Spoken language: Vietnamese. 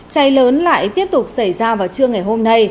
cháy lớn lại tiếp tục xảy ra vào trưa ngày hôm nay